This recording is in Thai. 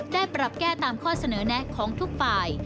ปรับแก้ตามข้อเสนอแนะของทุกฝ่าย